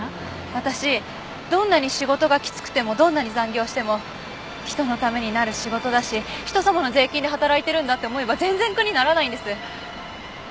私どんなに仕事がきつくてもどんなに残業しても人のためになる仕事だし人様の税金で働いてるんだって思えば全然苦にならないんです。